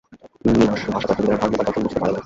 নীরস ভাষাতত্ত্ববিদেরা ধর্ম বা দর্শন বুঝতে পারে না।